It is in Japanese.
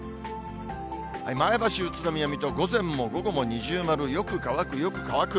前橋、宇都宮、水戸、午前も午後も二重丸、よく乾く、よく乾く。